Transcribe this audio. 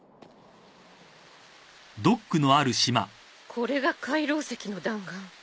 これが海楼石の弾丸。